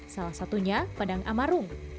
salah satunya padang amarung